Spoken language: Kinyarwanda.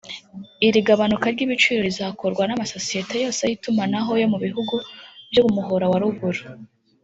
Iri gabanuka ry’ibiciro rizakorwa n’amasosiyete yose y’itumanaho yo mu bihugu byo mu muhora wa ruguru